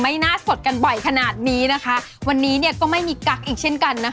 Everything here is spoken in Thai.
หน้าสดกันบ่อยขนาดนี้นะคะวันนี้เนี่ยก็ไม่มีกั๊กอีกเช่นกันนะคะ